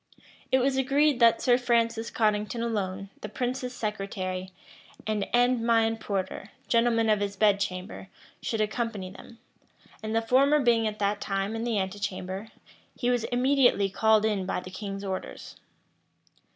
It was agreed that Sir Francis Cottington alone, the prince's secretary, and Endymion Porter, gentleman of his bed chamber, should accompany them; and the former being at that time in the antechamber, he was immediately called in by the king's orders.